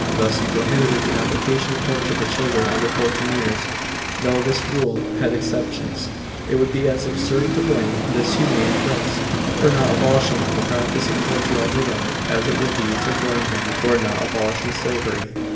Thus he prohibited the application of torture to children under fourteen years, though this rule had exceptions. It would be as absurd to blame this humane prince for not abolishing the practice of torture altogether, as it would be to blame him for not abolishing slavery.